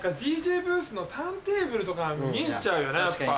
ＤＪブースのターンテーブルとか見えちゃうよね